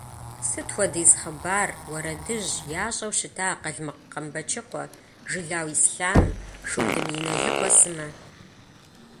Сыт хуэдиз хъыбар, уэрэдыжь ящӏэу щыта Къалмыкъ Къамбэчыкъуэ, Жылау Ислъам, Шурдым Иналыкъуэ сымэ.